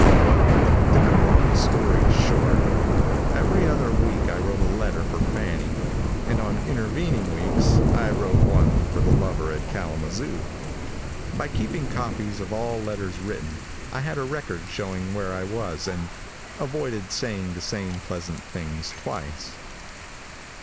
Well, to cut a long story short, every other week I wrote a letter for Fanny, and on intervening weeks I wrote one for the lover at Kalamazoo. By keeping copies of all letters written, I had a record showing where I was, and avoided saying the same pleasant things twice.